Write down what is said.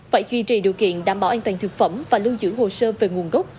phải duy trì điều kiện đảm bảo an toàn thực phẩm và lưu giữ hồ sơ về nguồn gốc